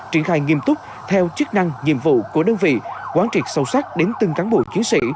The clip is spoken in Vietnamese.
triển khai nghiêm túc theo chức năng nhiệm vụ của đơn vị quán triệt sâu sắc đến từng cán bộ chiến sĩ